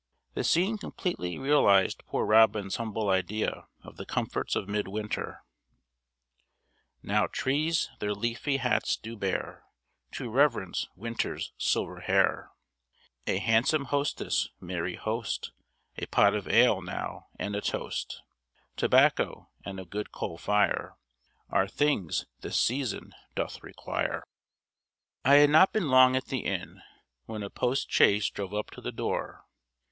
The scene completely realised Poor Robin's humble idea of the comforts of mid winter. Now trees their leafy hats do bare, To reverence Winter's silver hair; A handsome hostess, merry host, A pot of ale now and a toast, Tobacco and a good coal fire, Are things this season doth require.[A] I had not been long at the inn when a post chaise drove up to the door.